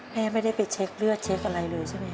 แม่ไม่ได้ไปเช็คเลือดเช็คอะไรเลยใช่ไหมค